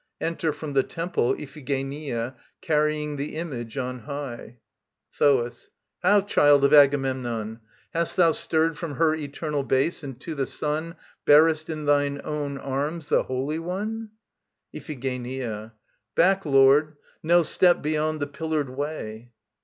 enter, from the temple, IPHIGENIA, carrying the image on high. THOAS. How, child of Agamemnon! Hast thou stirred From her eternal base, and to the sun Bearest in thine own arms, the Holy One? IPHIGENIA. Back Lord! No step beyond the pillared way.